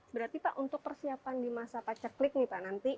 berarti pak untuk persiapan di masa paceklik nih pak nanti